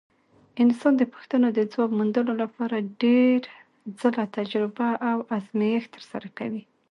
انسان د پوښتنو د ځواب موندلو لپاره ډېر ځله تجربه او ازمېښت ترسره کوي.